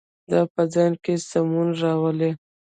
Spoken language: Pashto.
دا په ځان کې سمون راولي.